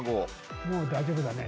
もう大丈夫だね。